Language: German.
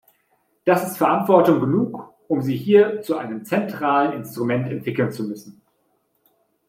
Das ist Verantwortung genug, um sie hier zu einem zentralen Instrument entwickeln zu müssen.